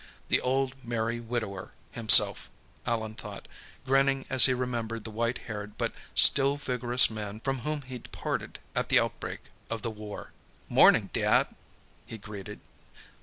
The old Merry Widower, himself, Allan thought, grinning as he remembered the white haired but still vigorous man from whom he'd parted at the outbreak of the War. "'Morning, Dad," he greeted.